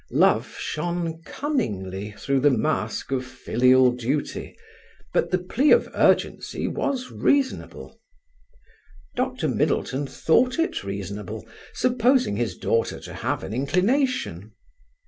Love shone cunningly through the mask of filial duty, but the plea of urgency was reasonable. Dr. Middleton thought it reasonable, supposing his daughter to have an inclination.